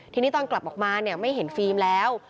ทีนี้ตอนกลับออกมาเนี่ยไม่เห็นฟิล์มแล้ว